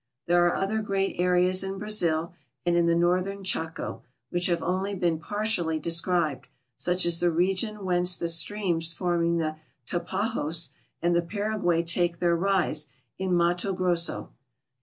There are other great areas in Brazil and in the northern Chaco which have only been partially described, such as the region whence the streams forming the Tapajos and the Paraguay take their rise, in Mato Grosso.